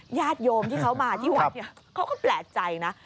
ญาติโยมที่เขามาที่วัดเนี่ยเขาก็แปลกใจนะ